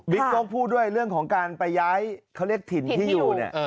โจ๊กพูดด้วยเรื่องของการไปย้ายเขาเรียกถิ่นที่อยู่เนี่ย